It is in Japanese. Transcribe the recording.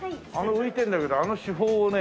浮いてんだけどあの手法をね